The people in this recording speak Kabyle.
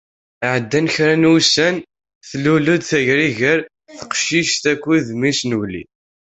Ɛeddan kra n wussan, tlul-d tayri ger teqcict akked mmi-s n ugellid.